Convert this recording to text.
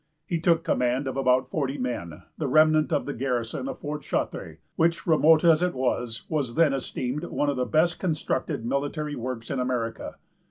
He took command of about forty men, the remnant of the garrison of Fort Chartres; which, remote as it was, was then esteemed one of the best constructed military works in America.